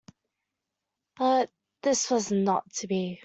But this was not to be.